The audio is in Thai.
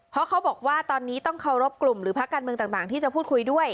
เพราะเขาบอกว่าตอนนี้ต้องเคารพกลุ่มหรือพักการเมืองต่างที่จะพูดคุยด้วย